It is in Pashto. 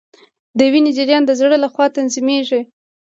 د وینې جریان د زړه لخوا تنظیمیږي